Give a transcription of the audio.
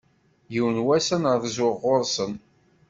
Yiwen wass, ad rzuɣ ɣur-sen.